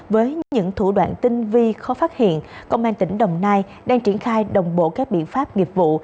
với những thủ đoạn tinh vi khó phát hiện công an tỉnh đồng nai đang triển khai đồng bộ các biện pháp nghiệp vụ